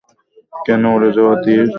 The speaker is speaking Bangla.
কেন উড়ে যাওয়া তীর নিজের দিকে আনলে?